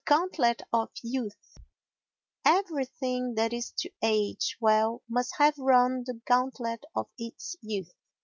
The Gauntlet of Youth Everything that is to age well must have run the gauntlet of its youth.